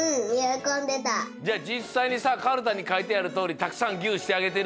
じゃあじっさいにさカルタにかいてあるとおりたくさんぎゅうしてあげてる？